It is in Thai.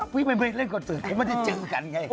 ไปเล่นคอนเสิร์ตเขาไม่ได้เจอกันไง